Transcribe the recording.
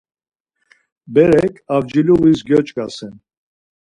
Berek avciluğis gyoç̌ǩasen.